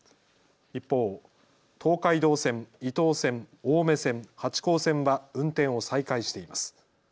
一方、東海道線、伊東線、青梅線、八高線は運転を再開しています。